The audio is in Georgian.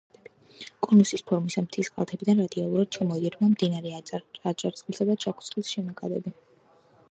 კონუსის ფორმისაა, მთის კალთებიდან რადიალურად ჩამოედინებიან მდინარე აჭარისწყლისა და ჩაქვისწყლის შენაკადები.